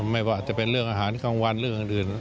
ไม่ว่าจะเป็นเรื่องอาหารกลางวันเรื่องอื่น